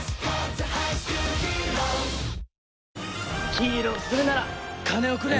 ヒーローするなら金をくれ！